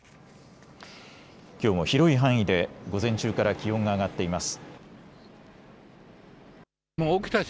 きょうも広い範囲で午前中から気温が上がっています。